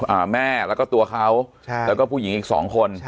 อ่าแม่แล้วก็ตัวเขาใช่แล้วก็ผู้หญิงอีกสองคนใช่